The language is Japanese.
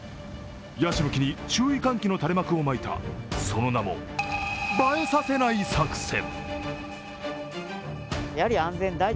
ヤシの木に注意喚起の垂れ幕を巻いた、その名も、映えさせない作戦。